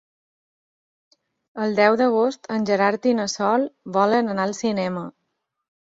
El deu d'agost en Gerard i na Sol volen anar al cinema.